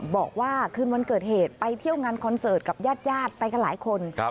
บอกว่าคืนวันเกิดเหตุไปเที่ยวงานคอนเสิร์ตกับญาติญาติไปกันหลายคน